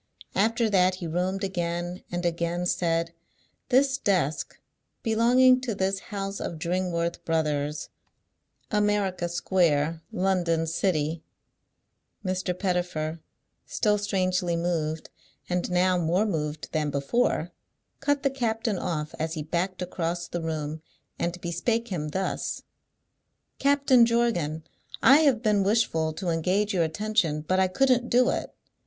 After that he roamed again, and again said, "This desk, belonging to this house of Dringworth Brothers, America Square, London City " Mr. Pettifer, still strangely moved, and now more moved than before, cut the captain off as he backed across the room, and bespake him thus: "Captain Jorgan, I have been wishful to engage your attention, but I couldn't do it.